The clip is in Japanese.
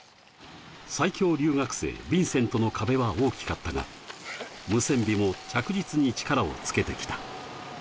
最強留学生・ヴィンセントの壁は大きかったが、ムセンビも着実に力をつけてきた。